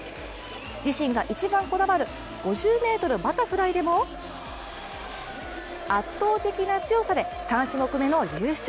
自身が一番こだわる５０ｍバタフライでも圧倒的な強さで３種目めの優勝。